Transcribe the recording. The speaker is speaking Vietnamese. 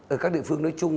ở các địa phương nói chung